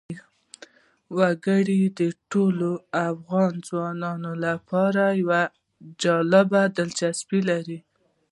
وګړي د ټولو افغان ځوانانو لپاره یوه جالبه دلچسپي لري.